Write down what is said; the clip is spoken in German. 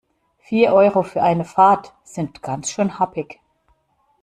Vier Euro für eine Fahrt sind ganz schön happig.